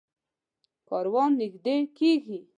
کاروان نږدې کېږي.